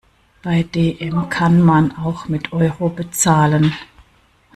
Bei dm kann man auch mit Euro bezahlen.